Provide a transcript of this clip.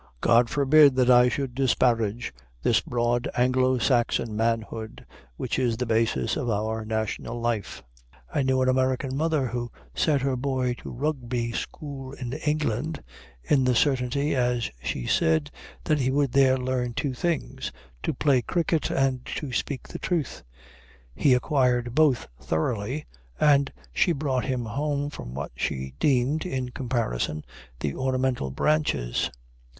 God forbid that I should disparage this broad Anglo Saxon manhood which is the basis of our national life. I knew an American mother who sent her boy to Rugby School in England, in the certainty, as she said, that he would there learn two things, to play cricket and to speak the truth. He acquired both thoroughly, and she brought him home for what she deemed, in comparison, the ornamental branches.